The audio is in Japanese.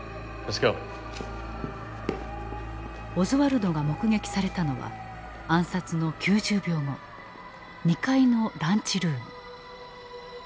オズワルドが目撃されたのは２階のランチルーム。